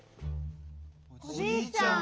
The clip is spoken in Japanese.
おじいちゃん。